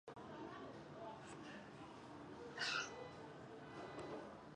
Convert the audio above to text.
斯特劳姆文明圈的人造语言的名称。